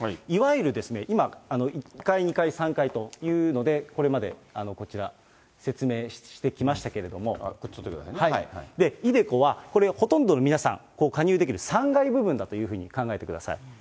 いわゆる今、１階、２階、３階というので、これまでこちら、説明してきましたけれども、ｉＤｅＣｏはこれがほとんどの皆さん、加入できる３階部分だというふうに考えてください。